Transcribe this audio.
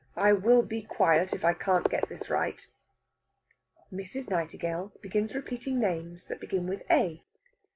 "I will be quiet if I can get this right." Mrs. Nightingale begins repeating names that begin with A.